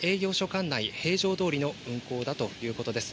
管内、平常どおりの運行だということです。